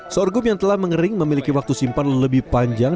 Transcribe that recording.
sorghum yang telah mengering memiliki waktu simpan lebih panjang